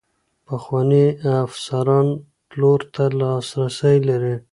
پخواني افسران پلور ته لاسرسی لري.